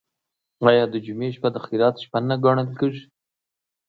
آیا د جمعې شپه د خیرات شپه نه ګڼل کیږي؟